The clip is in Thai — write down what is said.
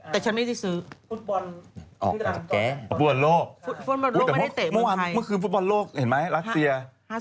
แต่มันก็ตรงกับเลขอ่ะฟุตบอลไม่ได้เตะเมืองไทยฟุตบอลโลกเห็นมั้ยรักเสีย